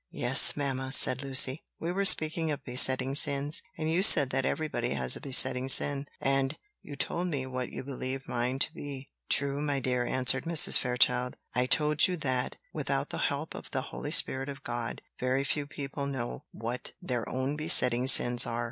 "Yes, mamma," said Lucy; "we were speaking of besetting sins, and you said that everybody has a besetting sin, and you told me what you believed mine to be." "True, my dear," answered Mrs. Fairchild: "I told you that, without the help of the Holy Spirit of God, very few people know what their own besetting sins are.